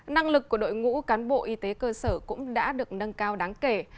năng lực của đội ngũ cán bộ y tế cơ sở cũng đã được nâng cao đáng kể